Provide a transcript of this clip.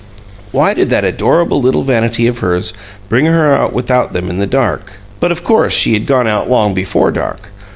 Why did that adorable little vanity of hers bring her out without them in the DARK? But of course she had gone out long before dark.